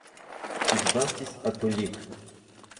Избавьтесь от улик.